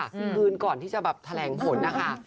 คืนก่อนที่จะแบบแถลงผลนะคะ